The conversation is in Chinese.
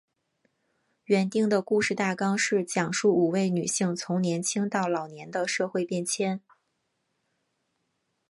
原定的故事大纲是讲述五位女性从年青到老年的社会变迁。